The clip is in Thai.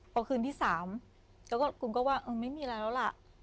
ก็คืนที่๓แล้วก็คุณก็ว่าเออไม่มีอะไรแล้วล่ะ